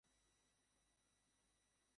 এতে সমস্যাটা কোথায়?